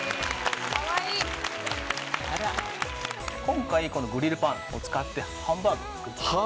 今回このグリルパンを使ってハンバーグ作っていきます。